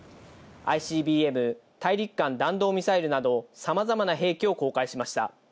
ＩＣＢＭ＝大陸間弾道ミサイルなど、さまざまな兵器を公開しました。